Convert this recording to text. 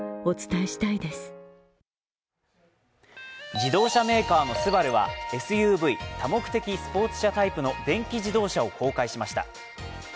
自動車メーカーのＳＵＢＡＲＵはＳＵＶ＝多目的スポーツ車タイプの電気自動車を公開しました。